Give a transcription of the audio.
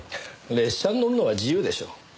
列車に乗るのは自由でしょ。